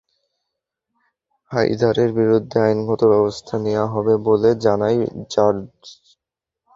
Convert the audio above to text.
হায়দারের বিরুদ্ধে আইনগত ব্যবস্থা নেওয়া হবে বলে জানায় র্যাব।